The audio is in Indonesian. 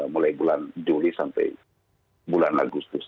mulai bulan juli sampai bulan agustus